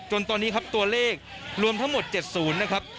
ตอนนี้ครับตัวเลขรวมทั้งหมด๗๐นะครับ